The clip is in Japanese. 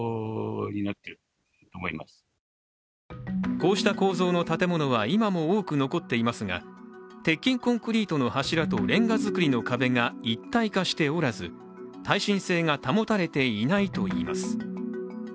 こうした構造の建物は今も多く残っていますが鉄筋コンクリートの柱とれんが造りの壁が一体化しておらず耐震性が保たれていないといいます。